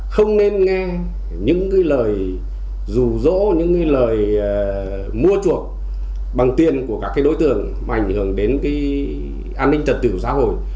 không nên nghe những lời rủ rỗ những lời mua chuộc bằng tiền của các đối tượng mà ảnh hưởng đến an ninh trật tự xã hội